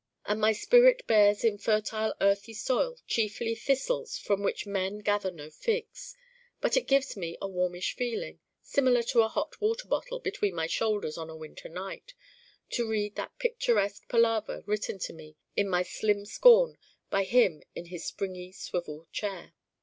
And my spirit bears in fertile earthy soil chiefly thistles from which men gather no figs. But it gives me a warmish feeling, similar to a hot water bottle between my shoulders on a winter night, to read that picturesque palaver written to me in my slim scorn by him in his springy swivel chair.